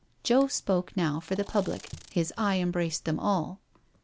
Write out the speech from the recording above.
Joe spoke now for the public, his eye embraced them all.